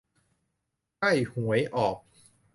ใกล้หวยออก